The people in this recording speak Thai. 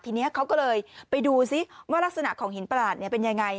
ทีนี้เขาก็เลยไปดูซิว่ารักษณะของหินประหลาดเป็นยังไง